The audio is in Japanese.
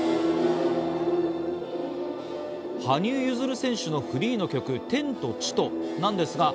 羽生結弦選手のフリーの曲『天と地と』なんです